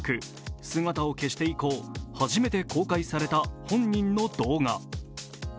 姿を消して以降、初めて公開された本人の動画。